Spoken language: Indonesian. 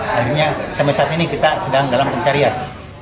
akhirnya sampai saat ini kita sedang dalam pencarian